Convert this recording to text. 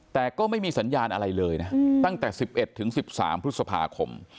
แต่ก็ไม่มีสัญญาณอะไรเลยนะตั้งแต่๑๑ถึง๑๓พฤษภาคม